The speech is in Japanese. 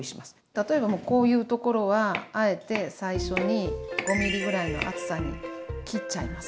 例えばもうこういうところはあえて最初に５ｍｍぐらいの厚さに切っちゃいますか。